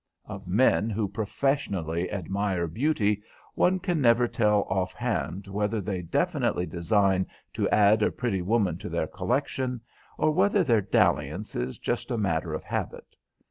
Of men who professionally admire beauty one can never tell offhand whether they definitely design to add a pretty woman to their collection, or whether their dalliance is just matter of habit.